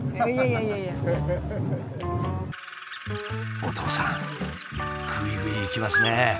お父さんぐいぐいいきますね。